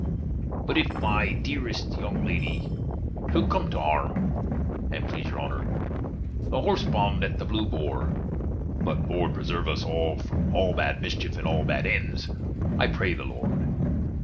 But if my deerest younge lady should come to harm, and plese your Honner, the horsepond at the Blew Bore but Lord preserve us all from all bad mischeff, and all bad endes, I pray the Lord!